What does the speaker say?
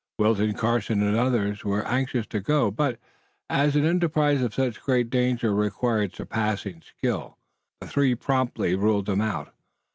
Wilton, Carson and others were anxious to go, but, as an enterprise of such great danger required surpassing skill, the three promptly ruled them out.